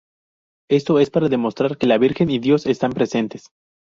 Esto es para demostrar que la Virgen y Dios están presentes.